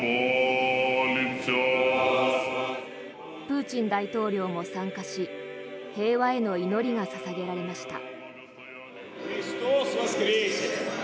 プーチン大統領も参加し平和への祈りが捧げられました。